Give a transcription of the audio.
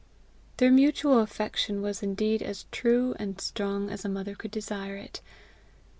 Their mutual affection was indeed as true and strong as a mother could desire it.